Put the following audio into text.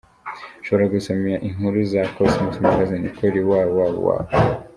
Ushobora gusoma inkuru za Cosmos magazine kuri www.